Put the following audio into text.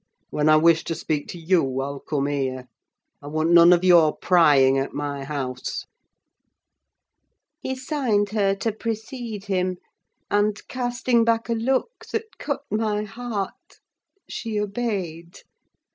"When I wish to speak to you I'll come here. I want none of your prying at my house!" He signed her to precede him; and casting back a look that cut my heart, she obeyed.